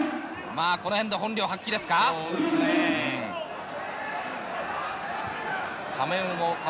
この辺で本領発揮ですか。